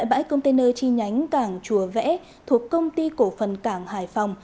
bãi container chi nhánh cảng chùa vẽ thuộc công ty cổ phần cảng hải phòng